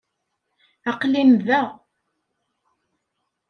Aql-in da.